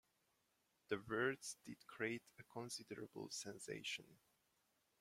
The words did create a considerable sensation.